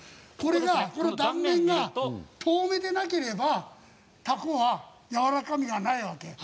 断面が透明でなければたこはやわらかみがないわけ。